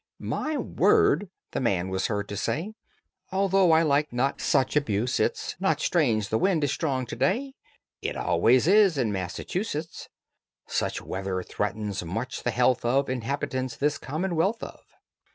"My word!" the man was heard to say, "Although I like not such abuse, it's Not strange the wind is strong to day, It always is in Massachusetts. Such weather threatens much the health of Inhabitants this Commonwealth of."